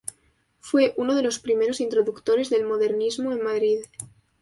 Fue uno de los primeros introductores del modernismo en Madrid.